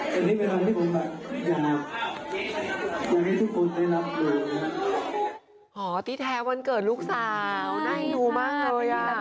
คนนี้แปลงอยู่แปะลูกแจ๊้งกับใช่ไหมครับ